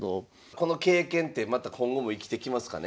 この経験ってまた今後も生きてきますかね。